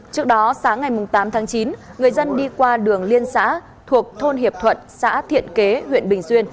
trước đó sáng ngày tám tháng chín người dân đi qua đường liên xã thuộc thôn hiệp thuận xã thiện kế huyện bình xuyên